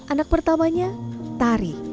anak pertamanya tari